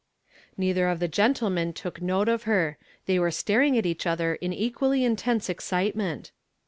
Neither of the gentlemen took note of her; thoj were staring at each other in equally inteiise excitement.